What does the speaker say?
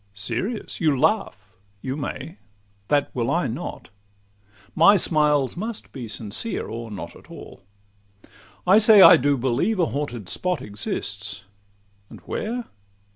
Serious? You laugh;—you may: that will I not; My smiles must be sincere or not at all. I say I do believe a haunted spot Exists—and where?